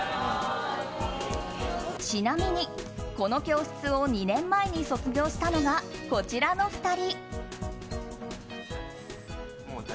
ちなみにこの教室を２年前に卒業したのがこちらの２人。